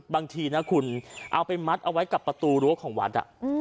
บางทีนะคุณเอาไปมัดเอาไว้กับประตูรั้วของวัด